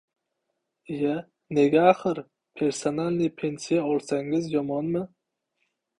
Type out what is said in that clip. — Iya, nega axir? Persanalniy pensiya olsangiz yomonmi?